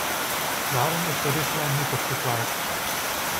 Daarom is de richtlijn nietig verklaard.